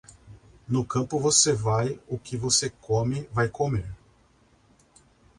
No campo você vai, o que você come vai comer.